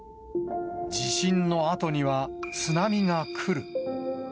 地震のあとには津波が来る。